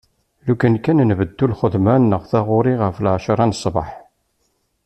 Lukan kan nbeddu lxedma neɣ taɣuri ɣef lɛecra n sbeḥ.